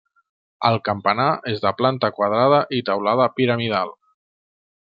El campanar és de planta quadrada i teulada piramidal.